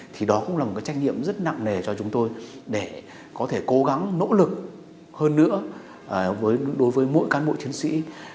thì đó cũng là một cái trách nhiệm rất nặng nề cho chúng tôi để có thể cố gắng nỗ lực hơn nữa đối với mỗi cán bộ chiến sĩ